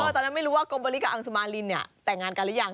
ตอนนั้นไม่รู้ว่ากรมบริกับอังสุมารินเนี่ยแต่งงานกันหรือยัง